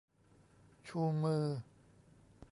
ชูมือ